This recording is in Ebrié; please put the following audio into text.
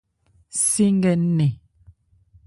Se nkɛ nnɛn.